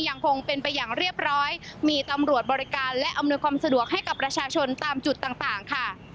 ยังคงเป็นไปอย่างเรียบร้อยมีตำรวจบริการและอำนวยความสะดวกให้กับประชาชนตามจุดต่างต่างค่ะ